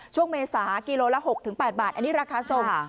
ช่วงเมษากิโลละหกถึงแปดบาทอันนี้ราคาทรงอ่า